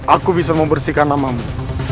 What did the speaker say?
aku bisa membersihkan namamu